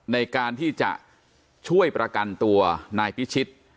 ในการที่จะช่วยประกันตัวนายพิชิต